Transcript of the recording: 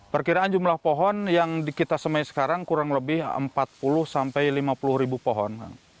perkiraan jumlah pohon yang kita semai sekarang kurang lebih empat puluh sampai lima puluh ribu pohon